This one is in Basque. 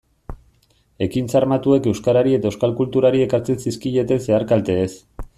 Ekintza armatuek euskarari eta euskal kulturari ekartzen zizkieten zehar-kalteez.